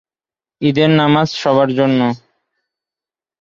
ঈদের নামাজ সবার জন্য।